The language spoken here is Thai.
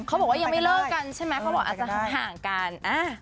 เขาบอกว่ายังไม่เลิกกันใช่ไหมเขาบอกอาจจะห่างกัน